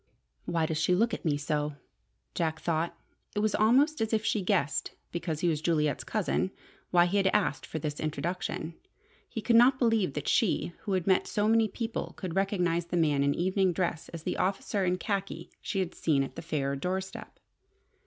"Why does she look at me so?" Jack thought. It was almost as if she guessed, because he was Juliet's cousin, why he had asked for this introduction. He could not believe that she, who met so many people, could recognize the man in evening dress as the officer in khaki she had seen on the Phayre doorstep.